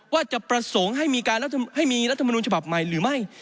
ว่าจะประสงค์ให้มีการให้มีรัฐมนุนฉบับใหม่หรือไม่